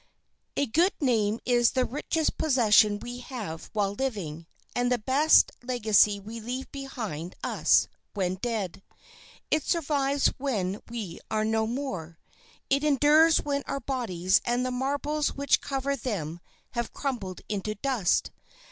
A good name is the richest possession we have while living, and the best legacy we leave behind us when dead. It survives when we are no more; it endures when our bodies and the marbles which cover them have crumbled into dust.